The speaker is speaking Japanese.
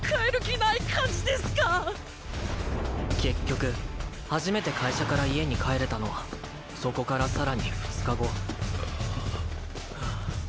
結局初めて会社から家に帰れたのはそこから更に２日後あぁ